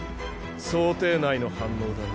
想定内の反応だな。